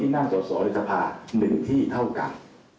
ที่น่าสอสอเรตรภาช๑ที่เท่ากัน